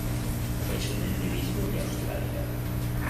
Es un endemismo de Australia.